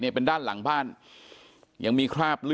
เป็นมีดปลายแหลมยาวประมาณ๑ฟุตนะฮะที่ใช้ก่อเหตุ